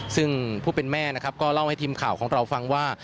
ซึ่งผู้เป็นแม่นะครับก็เล่าให้ทีมข่าวของเราฟังว่า